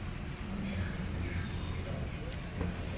রহমতগঞ্জ হাটের মূল ফটক দিয়ে ঢুকতেই কয়েক সারিতে রাখা গাড়িগুলো চোখে পড়ে।